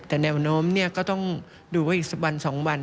แต่แนวโน้มก็ต้องดูว่าอีกสักวัน๒วัน